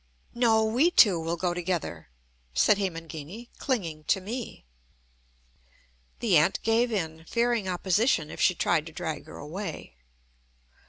"No! we two will go together," said Hemangini, clinging to me. The aunt gave in, fearing opposition if she tried to drag her away.